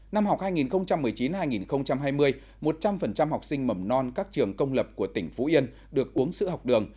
năm học hai nghìn một mươi chín hai nghìn hai mươi một trăm linh học sinh mầm non các trường công lập của tỉnh phú yên được uống sữa học đường